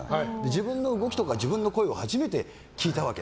自分の動きとか声を初めてそこで聞いたわけ。